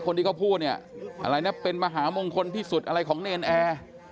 คนที่เขาพูดเนี่ยอะไรนะเป็นมหามงคลที่สุดอะไรของเนรนแอร์